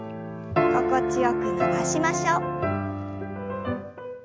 心地よく伸ばしましょう。